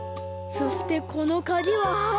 そしてこのカギはあお！